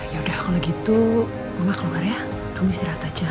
yaudah kalau gitu mama keluar ya kamu istirahat aja